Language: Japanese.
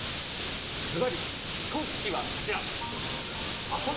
ずばり気候危機はこちら。